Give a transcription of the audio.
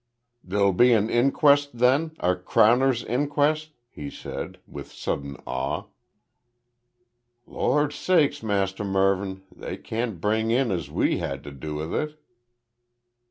"There'll be an inquess then, a crowner's inquess?" he said, with sudden awe. "Lor sakes, Mus' Mervyn they can't bring in as we had to do with it?"